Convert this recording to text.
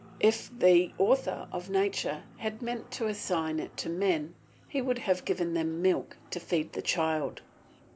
If the author of nature had meant to assign it to men he would have given them milk to feed the child.